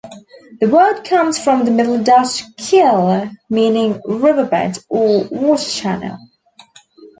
The word comes from the Middle Dutch "kille", meaning "riverbed" or "water channel".